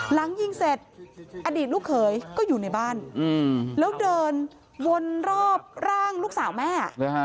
หลังยิงเสร็จอดีตลูกเขยก็อยู่ในบ้านแล้วเดินวนรอบร่างลูกสาวแม่